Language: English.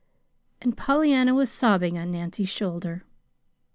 And Pollyanna was sobbing on Nancy's shoulder.